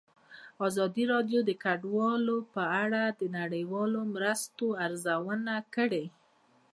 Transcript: ازادي راډیو د کډوال په اړه د نړیوالو مرستو ارزونه کړې.